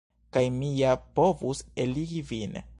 Kaj mi ja povus eligi vin.